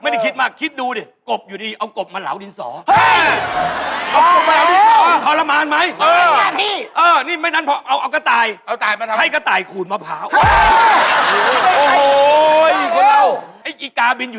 นี่เข้าไปอยู่ในป่าได้ความรู้เยอะเลย